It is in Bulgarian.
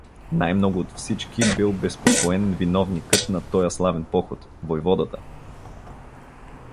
Най-много от всички бил безпокоен виновникът на тоя славен поход, войводата.